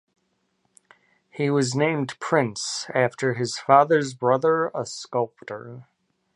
He was named 'Prince' after his father's brother, a sculptor.